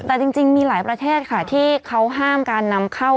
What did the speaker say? แต่จริงมีหลายประเทศค่ะที่เขาห้ามการนำเข้า